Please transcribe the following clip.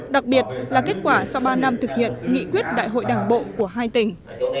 đặc biệt là kết quả sau ba năm thực hiện nghị quyết đại hội đảng bộ của hai tỉnh